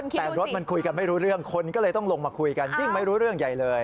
แต่รถมันคุยกันไม่รู้เรื่องคนก็เลยต้องลงมาคุยกันยิ่งไม่รู้เรื่องใหญ่เลย